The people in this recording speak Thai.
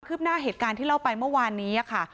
หน้าเหตุการณ์ที่เล่าไปเมื่อวานนี้ค่ะ